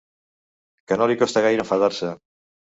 Que no li costa gaire enfadar-se.